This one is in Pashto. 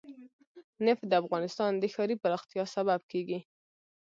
نفت د افغانستان د ښاري پراختیا سبب کېږي.